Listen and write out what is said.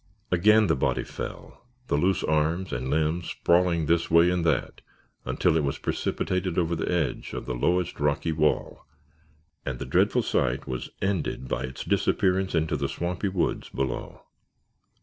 Again the body fell, the loose arms and limbs sprawling this way and that until it was precipitated over the edge of the lowest rocky wall and the dreadful sight was ended by its disappearance into the swampy woods below.